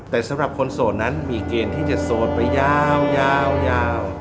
แต่สำหรับคนโสดนั้นมีเกณฑ์ที่จะโสดไปยาว